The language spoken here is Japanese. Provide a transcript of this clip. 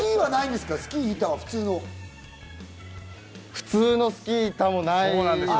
普通のスキー板はないですか？